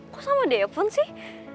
kok sama devon sih